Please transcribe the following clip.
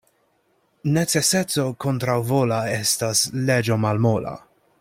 Neceseco kontraŭvola estas leĝo malmola.